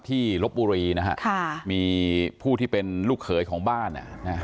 ที่รบอุรีย์นะครับมีผู้ที่เป็นลูกเขยของบ้าน